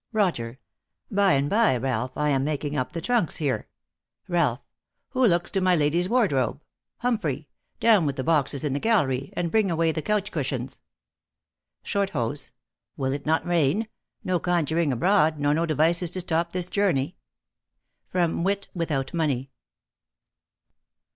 ROGER. By and by, Ralph. I am making up the trunks here. RALPH. Who looks to my lady s wardrobe ? Humphrey ! Down with the boxes in the gallery, And bring away the couch cushions. SHOETHOSE. "Will it not rain ? No conjuring abroad, nor no devices To stop this journey. Wit without Money.